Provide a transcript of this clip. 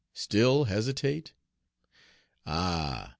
still hesitate? Ah!